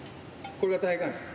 これが体幹です。